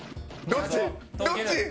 どっち！？